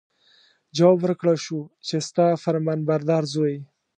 جواب ورکړل شو چې ستا فرمانبردار زوی.